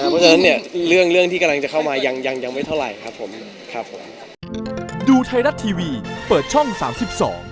เพราะฉะนั้นเรื่องที่กำลังจะเข้ามายังไม่เท่าไร